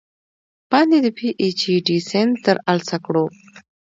باندې د پې اي چ ډي سند تر السه کړو ۔